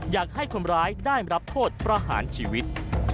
อยากให้คนร้ายได้รับโทษประหารชีวิต